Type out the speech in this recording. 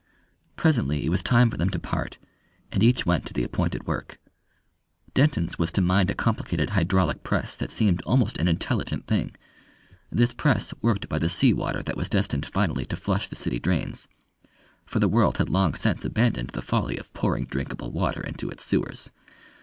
Presently it was time for them to part, and each went to the appointed work. Denton's was to mind a complicated hydraulic press that seemed almost an intelligent thing. This press worked by the sea water that was destined finally to flush the city drains for the world had long since abandoned the folly of pouring drinkable water into its sewers.